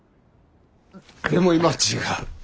でも今は違う。